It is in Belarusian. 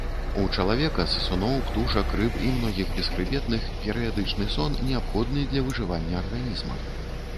У чалавека, сысуноў, птушак, рыб і многіх бесхрыбетных, перыядычны сон неабходны для выжывання арганізма.